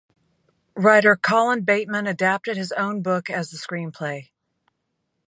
Writer Colin Bateman adapted his own book as the screenplay.